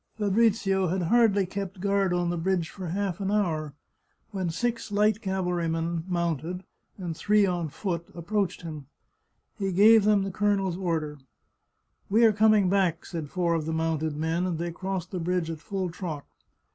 Fabrizio had hardly kept guard on the bridge for half an hour when six light cavalry men mounted, and three on 69 The Chartreuse of Parma foot, approached him. He gave them the colonel's order. " We are coming back," said four of the mounted men, and they crossed the bridge at full trot.